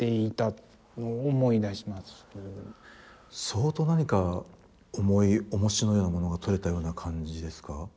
相当何か重いおもしのようなものが取れたような感じですか？